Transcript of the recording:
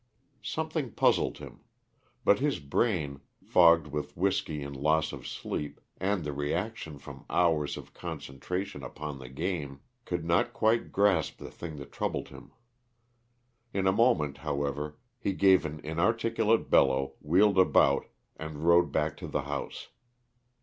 Something puzzled him; but his brain, fogged with whisky and loss of sleep, and the reaction from hours of concentration upon the game, could not quite grasp the thing that troubled him. In a moment, however, he gave an inarticulate bellow, wheeled about, and rode back to the house.